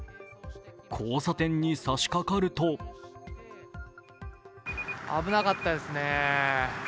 交差点に差しかかると危なかったですね。